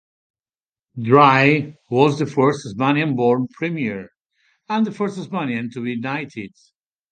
Dry was the first Tasmanian-born premier, and the first Tasmanian to be knighted.